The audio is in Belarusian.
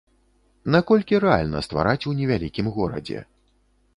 Наколькі рэальна ствараць у невялікім горадзе?